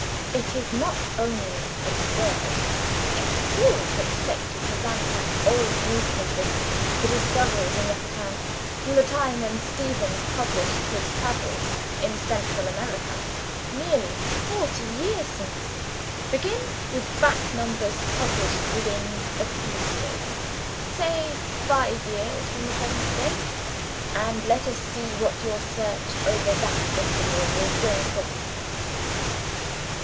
It is not only absurd, it's cruel, to expect you to ransack old newspapers for discoveries in Yucatan, from the time when Stephens published his 'Travels in Central America' nearly forty years since! Begin with back numbers published within a few years say five years from the present date and let us see what your search over that interval will bring forth."